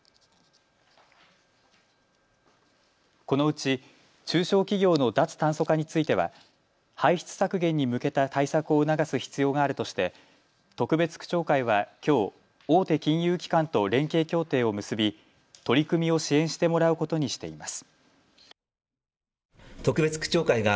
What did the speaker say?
このうち中小企業の脱炭素化については排出削減に向けた対策を促す必要があるとして特別区長会はきょう大手金融機関と連携協定を結び、取り組みを支援してもらうことにしています。